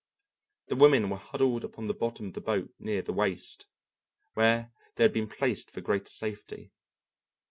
The women were huddled upon the bottom of the boat near the waist, where they had been placed for greater safety.